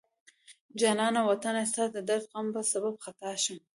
جانان وطنه ستا د درد غم په سبب خطا شم